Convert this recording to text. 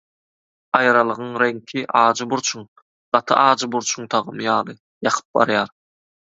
Aýralygyň reňki – ajy burçuň, gaty ajy burçuň tagamy ýaly, ýakyp barýar.